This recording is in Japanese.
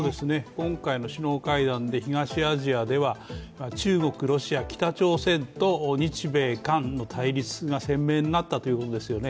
今回の首脳会談で東アジアでは中国、ロシア、北朝鮮と日米韓の対立が鮮明になったということですね